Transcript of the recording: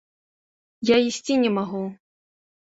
Я ісці не магу.